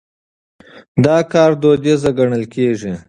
دا کار دوديز ګڼل کېږي.